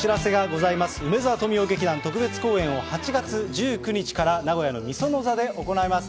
富美男劇団特別公演を８月１９日から名古屋の御園座で行います。